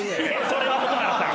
それは蛍原さん。